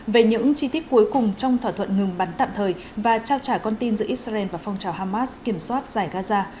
về những chi tiết cuối cùng trong thỏa thuận ngừng bắn tạm thời và trao trả con tin giữa israel và phong trào hamas kiểm soát giải gaza